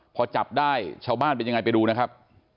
พอจับได้ชาวบ้านเป็นยังไงไปดูนะครับ